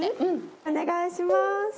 お願いします。